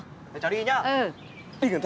thế cháu đi nhá